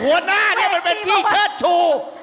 หัวหน้าเนี่ยมันเป็นที่เชิดชู